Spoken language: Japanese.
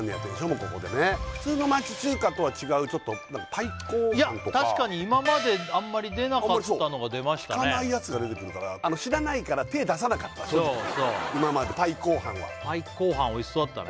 もうここでね普通の町中華とは違うパイコーハンとか確かに今まであんまり出なかったのが出ましたね聞かないやつが出てくるから知らないから手出さなかった正直今までパイコーハンはパイコーハンおいしそうだったね